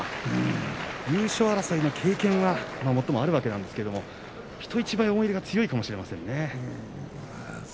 優勝争いの経験は最もあるんですけれど人一倍思いが強いかもしれませんね。